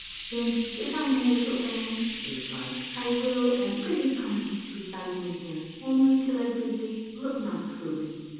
" Then, if I may, little baron," she replied, " I will, and prithee come and sit beside me here, only till I bid thee, look not through me.